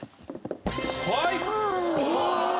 はい。